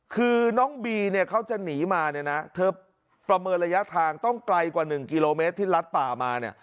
คือน้องบีเนี่ยเขาจะหนีมาเนี่ยนะเธอประเมินระยะทางต้องไกลกว่า๑กิโลเมตรที่ลัดป่ามาเนี่ย